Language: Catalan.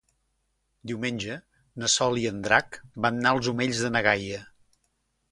Diumenge na Sol i en Drac van als Omells de na Gaia.